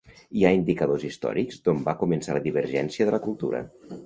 Hi ha indicadors històrics d'on va començar la divergència de la cultura.